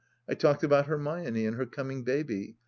I talked about Hermione and her coming baby.